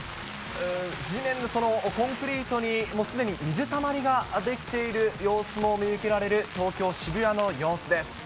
地面のコンクリートにすでに水たまりが出来ている様子も見受けられる東京・渋谷の様子です。